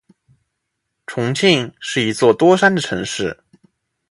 重庆是一座多山的城市。